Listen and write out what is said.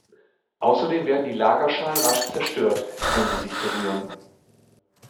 Außerdem werden die Lagerschalen rasch zerstört, wenn sie sich berühren.